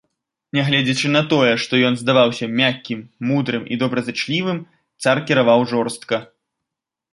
Нягледзячы на тое, што ён здаваўся мяккім, мудрым і добразычлівым, цар кіраваў жорстка.